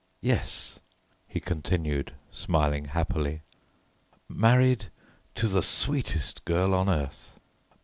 "Yes," he continued, smiling happily, "married to the sweetest girl on earth."